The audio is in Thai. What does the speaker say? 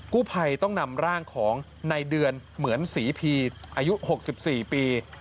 กู้ภัยต้องนำร่างของในเดือนเหมือนศรีพีอายุ๖๔ปี